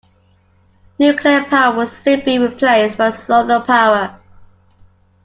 Nuclear power will soon be replaced by solar power.